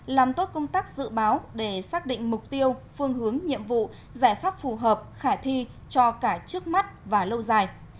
làm tốt công tác dự báo để xác định mục tiêu phương hướng nhiệm vụ giải pháp phù hợp khả thi cho cả trước mắt và lâu dài